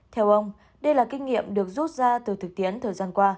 theo ông đây là kinh nghiệm được rút ra từ thực tiễn thời gian qua